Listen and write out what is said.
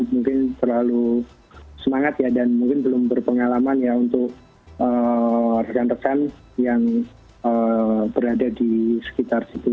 mungkin terlalu semangat ya dan mungkin belum berpengalaman ya untuk rekan rekan yang berada di sekitar situ